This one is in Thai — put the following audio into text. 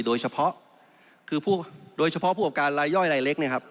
โดยเฉพาะผู้ออบการรายย่อยรายเล็ก